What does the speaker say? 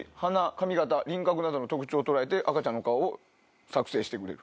髪形輪郭などの特徴を捉えて赤ちゃんの顔を作成してくれる。